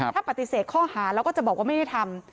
ถ้าปฏิเสธข้อหาแล้วก็จะบอกว่าไม่ได้ทำ